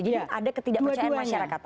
jadi ada ketidakpercayaan masyarakat